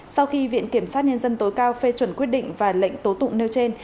sau khi viện kiểm sát nhân dân tối cao phê chuẩn quyết định và lệnh tố tụng nêu trên